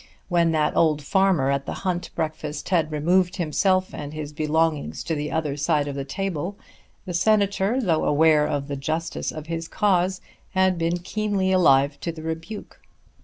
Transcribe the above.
When that old farmer at the hunt breakfast had removed himself and his belongings to the other side of the table the Senator, though aware of the justice of his cause, had been keenly alive to the rebuke.